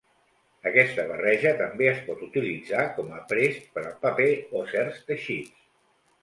Aquesta barreja també es pot utilitzar com aprest per al paper o certs teixits.